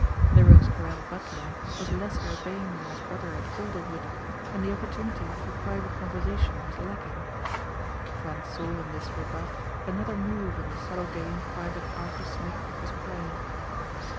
The Rosecarrel butler was less urbane than his brother at Alderwood and the opportunity for private conversation was lacking. Trent saw in this rebuff another move in the subtle game Private Arthur Smith was playing.